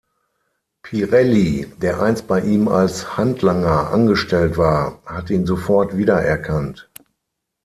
Pirelli, der einst bei ihm als Handlanger angestellt war, hat ihn sofort wiedererkannt.